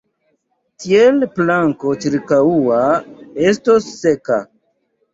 Tiel planko ĉirkaŭa estos seka!